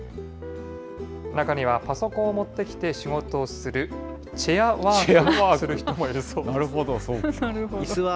中にはパソコンを持ってきて仕事をする、チェアワークをする人もいるそうです。